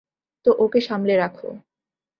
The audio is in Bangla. তো ওকে সামলে রাখো।